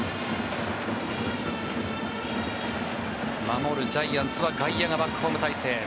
守るジャイアンツは外野がバックホーム態勢。